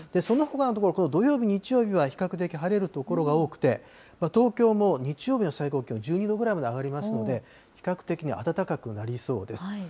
そのほかの所、きょう土曜日、日曜日は比較的晴れる所が多くて、東京も日曜日の最高気温１２度くらいまで上がりますので、比較的暖かくなりそうです。